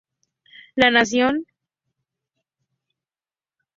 La Nación.